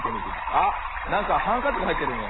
あっなんかハンカチがはいってるね。